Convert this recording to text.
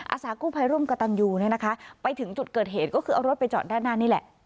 อาสากู้ภัยร่วมกับตันยูเนี่ยนะคะไปถึงจุดเกิดเหตุก็คือเอารถไปจอดด้านหน้านี่แหละ